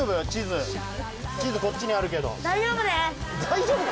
大丈夫か！？